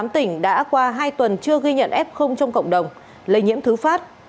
một mươi tám tỉnh đã qua hai tuần chưa ghi nhận f trong cộng đồng lây nhiễm thứ phát